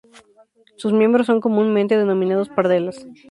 Sus miembros son comúnmente denominadas pardelas.